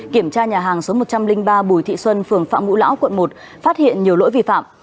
kiểm tra nhà hàng số một trăm linh ba bùi thị xuân phường phạm ngũ lão quận một phát hiện nhiều lỗi vi phạm